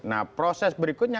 nah proses berikutnya